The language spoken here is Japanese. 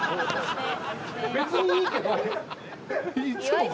別にいいけど。